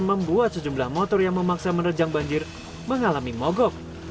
membuat sejumlah motor yang memaksa menerjang banjir mengalami mogok